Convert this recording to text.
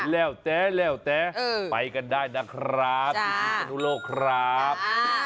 แล้วแต่ไปกันได้นะครับพิศนุโลกครับ